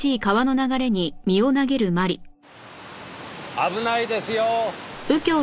危ないですよ。